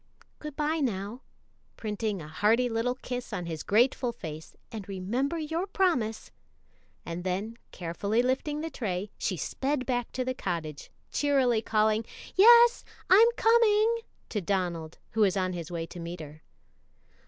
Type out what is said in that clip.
Good by, now," printing a hearty little kiss on his grateful face, "and remember your promise;" and then, carefully lifting the tray, she sped back to the cottage, cheerily calling, "Yes, I'm coming," to Donald, who was on his way to meet her.